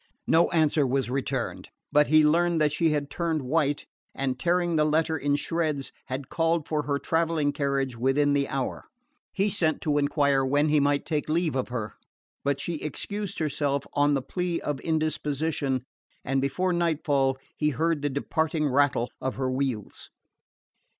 No answer was returned, but he learned that she had turned white, and tearing the letter in shreds had called for her travelling carriage within the hour. He sent to enquire when he might take leave of her, but she excused herself on the plea of indisposition, and before nightfall he heard the departing rattle of her wheels.